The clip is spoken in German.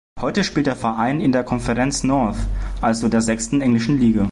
Heute spielt der Verein in der Conference North, also der sechsten englischen Liga.